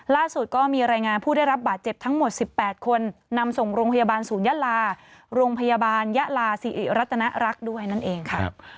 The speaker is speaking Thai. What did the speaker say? ล่าสุดก็มีรายงานผู้ได้รับบาดเจ็บทั้งหมด๑๘คนนำส่งโรงพยาบาลศูนยะลาโรงพยาบาลยะลาศิริรัตนรักษ์ด้วยนั่นเองค่ะ